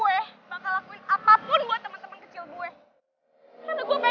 sedangkan kamu tahu sendiri teman teman kecil saya tidak punya sekolahan boy